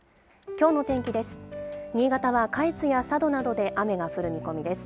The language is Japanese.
きょうの天気です。